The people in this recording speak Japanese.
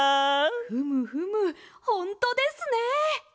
ふむふむほんとですね！